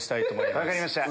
分かりました。